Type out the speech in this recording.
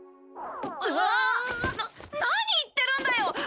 な何言ってるんだよ！